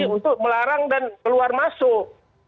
untuk melarang dan keluar masuk